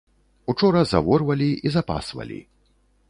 Учора заворвалі і запасвалі.